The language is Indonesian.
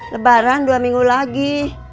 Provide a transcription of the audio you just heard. lebaran dua minggu lagi